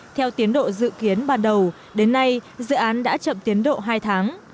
theo tiến độ dự kiến ban đầu đến nay dự án đã chậm tiến độ hai tháng